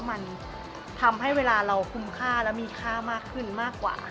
มันทำให้เวลาเราคุ้มค่าและมีค่ามากขึ้นมากกว่า